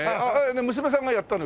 娘さんがやったの？